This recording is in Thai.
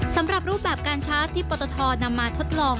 สำหรับรูปแบบการชาร์จที่ปตทนำมาทดลอง